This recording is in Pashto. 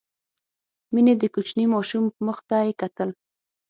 مينې د کوچني ماشوم مخ ته يې کتل.